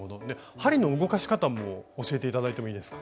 針の動かし方も教えて頂いてもいいですか？